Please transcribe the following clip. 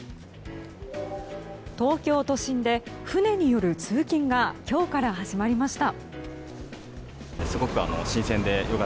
東京都心で船による通勤が今日から始まりました。